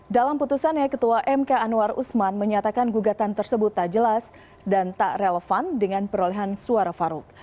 dalam putusannya ketua mk anwar usman menyatakan gugatan tersebut tak jelas dan tak relevan dengan perolehan suara farouk